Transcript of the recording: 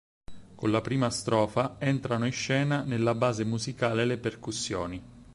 Con la prima strofa entrano in scena nella base musicale le percussioni.